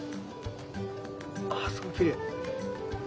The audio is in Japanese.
あすごいきれい。